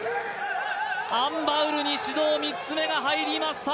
アン・バウルに指導３つ目が入りました。